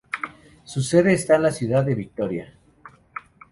Su sede está en la ciudad de Vitoria.